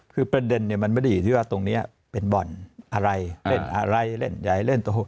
คือประเด็นมันไม่ได้อยู่ที่ว่าตรงนี้เป็นบ่อนอะไรเล่นอะไรเล่นใหญ่เล่นตรง